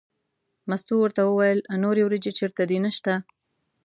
مستو ورته وویل نورې وریجې چېرته دي نشته.